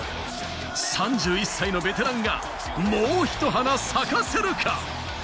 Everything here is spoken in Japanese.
３１歳のベテランがもうひと花咲かせるか？